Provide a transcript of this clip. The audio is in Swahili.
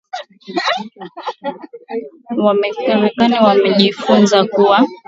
na wamarekani nimejifunza kuwa